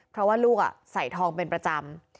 เพราะว่าลูกใส่ทองเป็นประจำ